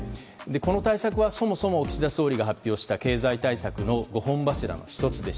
この対策はそもそも岸田総理が発表した経済対策の５本柱の１つで。